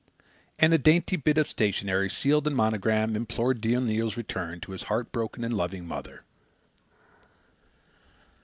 And a dainty bit of stationery, sealed and monogramed, implored dear Neil's return to his heart broken and loving mother.